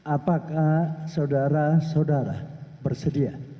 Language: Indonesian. apakah saudara saudara bersedia